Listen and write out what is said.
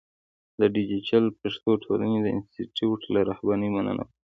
د دیجیټل پښتو ټولنې د انسټیټوت له رهبرۍ مننه وکړه.